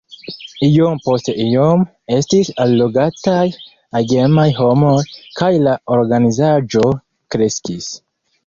Iom post iom estis allogataj agemaj homoj, kaj la organizaĵo kreskis.